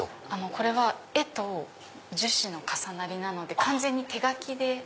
これは絵と樹脂の重なりなので完全に手描きで。